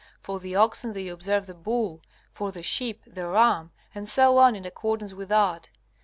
For the oxen they observe the Bull, for the sheep the Ram, and so on in accordance with art.